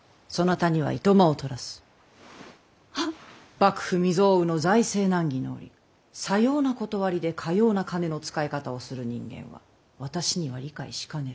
幕府未曽有の財政難儀の折さような理でかような金の使い方をする人間は私には理解しかねる。